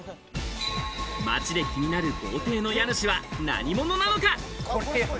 街で気になる豪邸の家主は何者なのか？